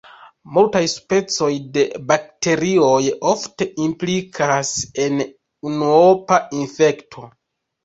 Multaj specoj de bakterioj ofte implikas en unuopa infekto.